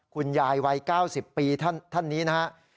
คุณยายวัย๙๐ปีท่านนี้นะครับ